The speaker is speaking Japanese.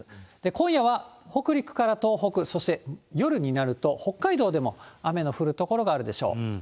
今夜は北陸から東北、そして夜になると、北海道でも、雨の降る所があるでしょう。